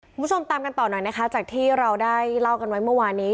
คุณผู้ชมตามกันต่อหน่อยนะคะจากที่เราได้เล่ากันไว้เมื่อวานี้